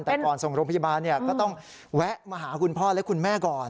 แต่ก่อนส่งโรงพยาบาลก็ต้องแวะมาหาคุณพ่อและคุณแม่ก่อน